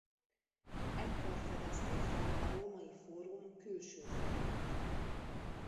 Ekkor fedezték fel a római fórum külső falait.